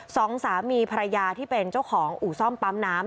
สองสามีภรรยาที่เป็นเจ้าของอู่ซ่อมปั๊มน้ำ